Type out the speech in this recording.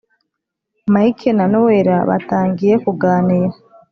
mike na nowela batangiye kuganira,